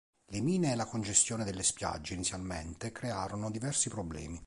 Le mine e la congestione delle spiagge inizialmente crearono diversi problemi.